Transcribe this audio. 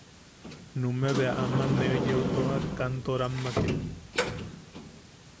Numeʼe bea aman ne yeu tojak Kantorammake.